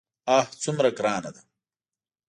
آه څومره ګرانه ده.